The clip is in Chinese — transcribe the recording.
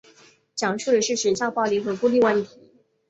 讲述的是学校暴力和孤立问题。